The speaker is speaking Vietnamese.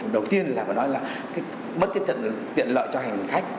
đầu tiên là mà nói là bất kỳ trận tiện lợi cho hành khách